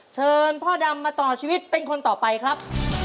เชิญพ่อดำมาต่อชีวิตเป็นคนต่อไปครับ